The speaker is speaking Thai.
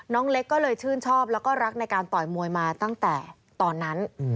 น้องเล็กก็เลยชื่นชอบแล้วก็รักในการต่อยมวยมาตั้งแต่ตอนนั้น